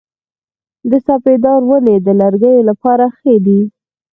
د سپیدار ونې د لرګیو لپاره ښې دي؟